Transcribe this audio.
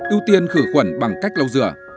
ưu tiên khử khuẩn bằng cách lau rửa